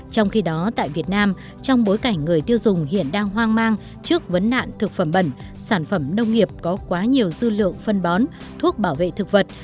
trong khi đó tại việt nam trong bối cảnh người tiêu dùng hiện đang hoang mang trước vấn nạn thực phẩm bẩn sản phẩm nông nghiệp có quá nhiều dư lượng phân bón thuốc bảo vệ thực vật